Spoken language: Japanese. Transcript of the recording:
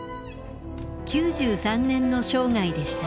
９３年の生涯でした。